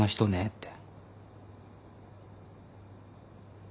って。